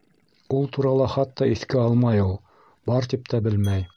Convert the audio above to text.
Ул турала хатта иҫкә алмай ул, бар тип тә белмәй.